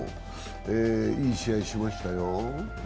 いい試合しましたよ。